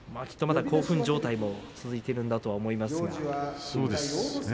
きっとまだ興奮状態が続いているんだと思いますが。